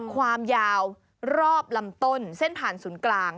ความยาวรอบลำต้นเส้นผ่านศูนย์กลาง